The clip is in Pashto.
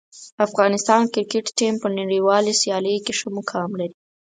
افغانستان کرکټ ټیم په نړیوالو سیالیو کې ښه مقام لري.